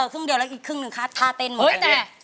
ครึ่งเดียวแล้วอีกครึ่งหนึ่งคะทาเตนมาแบบนี้